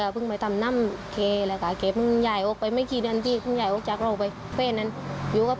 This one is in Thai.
เพราะว่าเขาก็เพิ่งไปทำนั่งเขาแหละก็